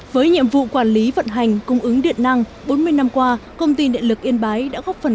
với nhiệm vụ quản lý vận hành cung ứng điện năng bốn mươi năm qua công ty điện lực yên bái đã góp phần